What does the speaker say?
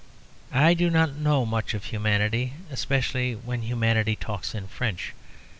I do not know much of humanity, especially when humanity talks in French.